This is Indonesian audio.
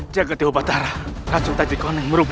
tak usah menolongku